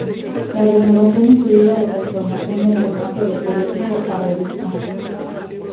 La renovación incluía la transformación del formato de periódico a revista.